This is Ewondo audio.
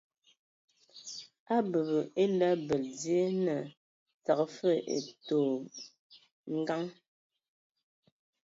A a abəbə a ele abəl dzie naa tǝgə fəg ai tɔ ngǝŋ.